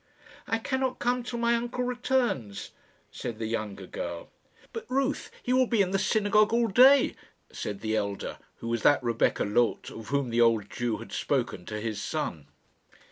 "I cannot come till my uncle returns," said the younger girl. "But, Ruth, he will be in the synagogue all day," said the elder, who was that Rebecca Loth of whom the old Jew had spoken to his son.